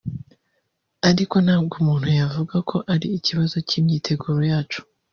Ariko ntabwo umuntu yavuga ko ari ikibazo cy’imyiteguro yacu